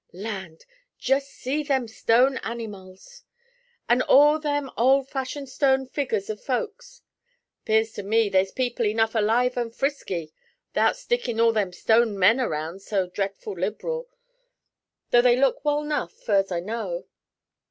Land! just see them stone anymals, and all them old fashioned stone figgers of folks! 'Pears to me they's people enough alive and frisky, 'thout stickin' all them stone men around so dretful lib'ral; though they look well 'nough, fur's I know.'